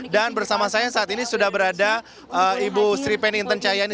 dan bersama saya saat ini sudah berada ibu sripeni inten cahyani